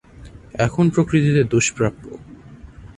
এখন প্রকৃতিতে দুষ্প্রাপ্য।